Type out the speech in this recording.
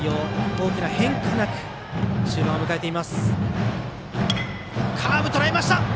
大きな変化なく終盤を迎えています。